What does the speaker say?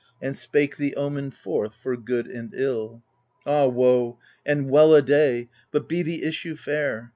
And spake the omen forth, for good and ill. (Ah woe and well a day ! but be the issue fair